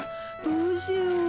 どうしよう？